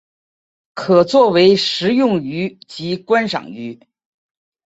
可做为食用鱼及观赏鱼。